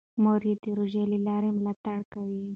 مور یې د روژې له لارې ملاتړ کوي.